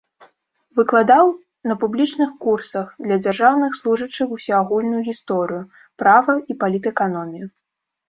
Выкладаў на публічных курсах для дзяржаўных служачых усеагульную гісторыю, права і палітэканомію.